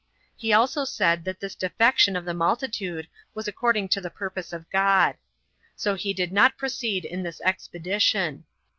He also said that this defection of the multitude was according to the purpose of God. So he did not proceed in this expedition.